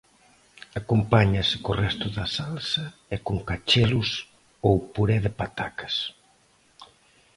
Acompáñase co resto da salsa e con cachelos ou puré de patacas.